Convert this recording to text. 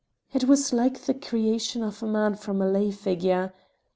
It was like the creation of a man from a lay figure.